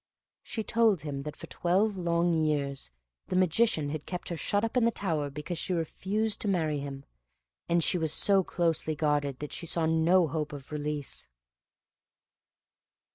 She told him that for twelve long years the Magician had kept her shut up in the tower because she refused to marry him, and she was so closely guarded that she saw no hope of release.